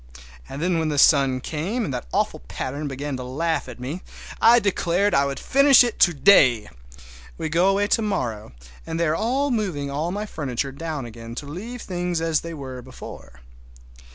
And then when the sun came and that awful pattern began to laugh at me I declared I would finish it to day! We go away to morrow, and they are moving all my furniture down again to leave things as they were before.